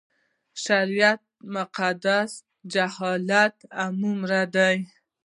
شریعت مقاصد اجتهادي امور دي.